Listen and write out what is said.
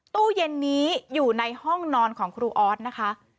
ตู้เย็นนี้อยู่ในห้องนอนของครูออสนะคะ